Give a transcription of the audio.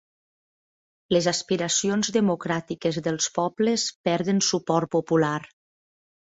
Les aspiracions democràtiques dels pobles perden suport popular